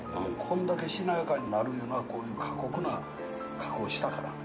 こんだけしなやかになるいうのはこういう過酷な加工をしたから。